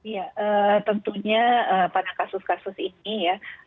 ya tentunya pada kasus kasus ini ya